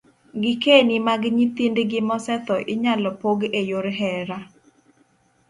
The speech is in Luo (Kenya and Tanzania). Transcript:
Gikeni mag nyithindgi mosetho inyalo pog e yor hera